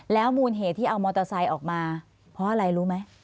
มูลเหตุที่เอามอเตอร์ไซค์ออกมาเพราะอะไรรู้ไหม